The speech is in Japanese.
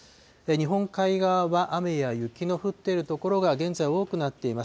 日本海側は雨や雪の降っている所が現在多くなっています。